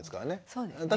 そうですね。